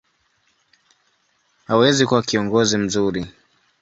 hawezi kuwa kiongozi mzuri.